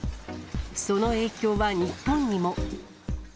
その影響は日本にも。